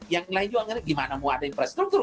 yang lain juga ngerti gimana mau ada infrastruktur